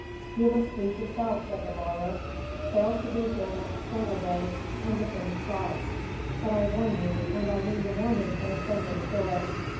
"You must please yourself," said the lawyer. "Fail to be here next quarter day, and the thing stops. But I warn you, and I mean the warning in a friendly spirit.